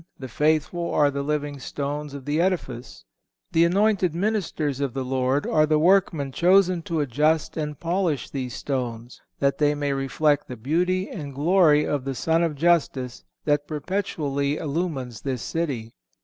The faithful are the living stones of the edifice. The anointed ministers of the Lord are the workmen chosen to adjust and polish these stones, that they may reflect the beauty and glory of the sun of justice that perpetually illumines this city.